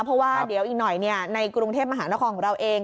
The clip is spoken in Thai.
เพราะว่าเดี๋ยวอีกหน่อยในกรุงเทพมหานครของเราเอง